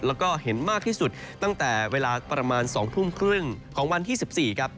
แล้วก็เห็นมากที่สุดตั้งแต่เวลาประมาณ๒ทุ่มครึ่งของวันที่๑๔ครับ